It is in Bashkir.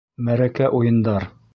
Мәрәкә уйындар